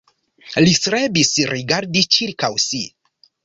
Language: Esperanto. Li strebis rigardi ĉirkaŭ si.